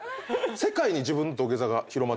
世界に自分の土下座が広まっちゃうって。